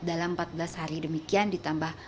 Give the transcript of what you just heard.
dalam empat belas hari demikian ditambah